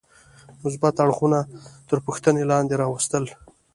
مثبت اړخونه تر پوښتنې لاندې راوستل.